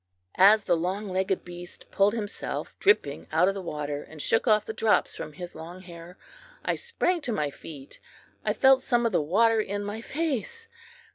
As the long legged beast pulled himself dripping out of the water, and shook off the drops from his long hair, I sprang to my feet. I felt some of the water in my face!